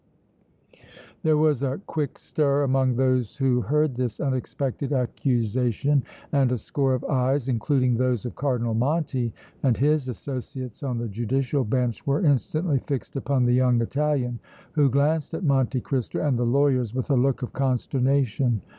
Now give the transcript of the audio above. There was a quick stir among those who heard this unexpected accusation and a score of eyes, including those of Cardinal Monti and his associates on the judicial bench, were instantly fixed upon the young Italian, who glanced at Monte Cristo and the lawyers with a look of consternation.